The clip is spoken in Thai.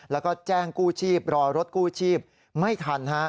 แล้วก็แจ้งกู้ชีพรอรถกู้ชีพไม่ทัน